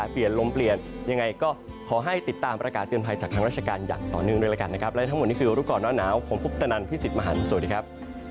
ผมพุทธนันทร์พิสิทธิ์มหาลสวัสดีครับ